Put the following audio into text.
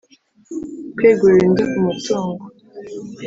Kwegurira undi umutungo